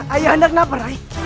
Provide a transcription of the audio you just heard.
ayahanda kenapa rai